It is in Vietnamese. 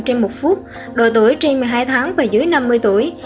trên một phút độ tuổi trên một mươi hai tháng và dưới năm mươi tuổi